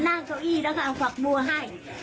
นั่งเก้าอี้แล้วก็เอาฝากมัวให้